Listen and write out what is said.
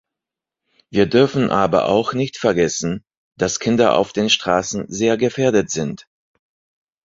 Wir dürfen aber auch nicht vergessen, dass Kinder auf den Straßen sehr gefährdet sind.